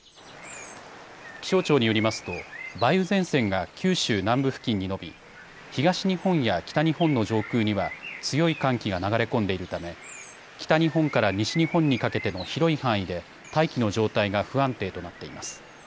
気象庁によりますと梅雨前線が九州南部付近に延び東日本や北日本の上空には強い寒気が流れ込んでいるため北日本から西日本にかけての広い範囲で大気の状態が不安定となっています。